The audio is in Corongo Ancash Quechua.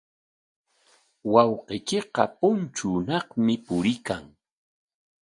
Wawqiykiqa punchuunaqmi puriykan.